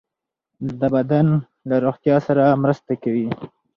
د بدن له روغتیا سره مرسته کوي.